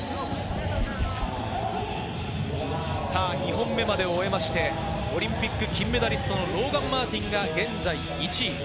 ２本目までを終えましてオリンピック金メダリストのローガン・マーティンが現在１位。